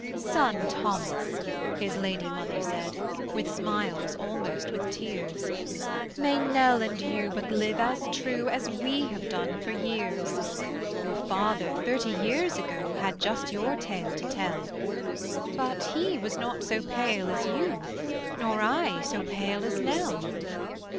"Son Thomas," his lady mother said, With smiles, almost with tears: "May Nell and you but live as true As we have done for years; "Your father thirty years ago Had just your tale to tell; But he was not so pale as you, Nor I so pale as Nell."